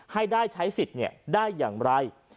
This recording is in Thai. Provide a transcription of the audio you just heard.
ให้ได้ใช้สิทธิ์ได้อย่างไร